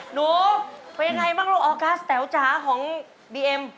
หนูเป็นยังไงบ้างลูกออกัสแต๋วจ๋าของบีเอ็ม